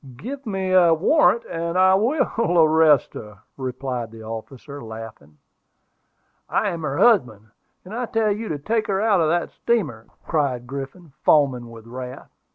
"Give me a proper warrant, and I will arrest her," replied the officer, laughing. "I am her husband; and I tell you to take her out of that steamer," cried Griffin, foaming with wrath.